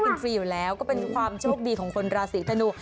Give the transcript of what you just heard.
เป็นฟรีอยู่แล้วก็เป็นความโชคดีของคนราศีธนู